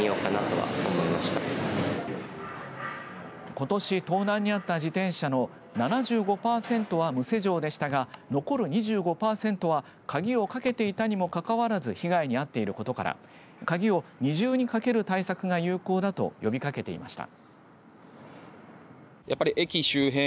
ことし盗難に遭った自転車の７５パーセントは無施錠でしたが残る２５パーセントは鍵をかけていたにもかかわらず被害に遭っていることから鍵を二重にかける対策が有効だと呼びかけていました。